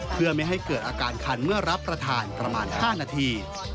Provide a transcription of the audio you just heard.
เพื่อไม่ให้เกิดอาการคันเมื่อรับประทานประมาณ๕นาที